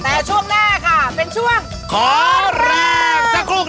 นี่ก็คือเป็นหนึ่งในสลาด